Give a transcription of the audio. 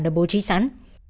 đã bố trí sẵn